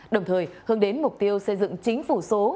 đồng thời hướng đến mục tiêu xây dựng chính phủ số